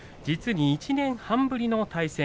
１年半ぶりの対戦。